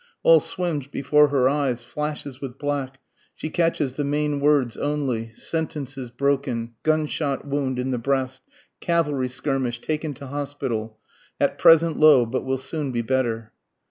All swims before her eyes, flashes with black, she catches the main words only, Sentences broken, _gunshot wound in the breast, cavalry skirmish, taken to hospital, At present low, but will soon be better.